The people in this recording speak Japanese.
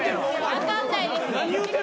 分かんないです。